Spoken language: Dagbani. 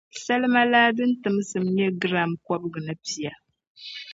salima laa din tibisim nyɛ giram kɔbiga ni pia.